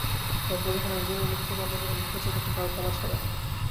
গল্প যখন এক জনের মুখ থেকে অন্য জনের মুখে যায়, তখন ডালপালা ছড়ায়।